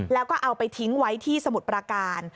แล้วก็เอาไปทิ้งไว้ที่สมุทรประการ